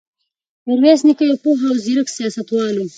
میرویس نیکه یو پوه او زیرک سیاستوال و.